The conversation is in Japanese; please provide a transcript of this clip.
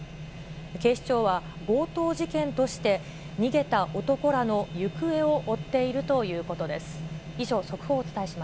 警視庁は、強盗事件として逃げた男らの行方を追っているということです。